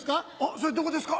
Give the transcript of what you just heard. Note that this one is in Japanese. それどこですか？